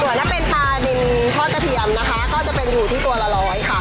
ส่วนถ้าเป็นปลาดินทอดกระเทียมนะคะก็จะเป็นอยู่ที่ตัวละร้อยค่ะ